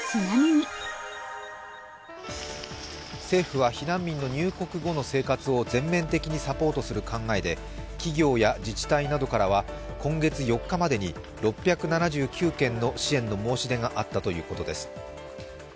政府は避難民の入国後の生活を全面的にサポートする考えで企業や自治体などからは今月４日までに６７９件の支援の申し出があったということです。